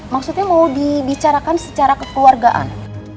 maksudnya mau dibicarakan secara kekeluargaan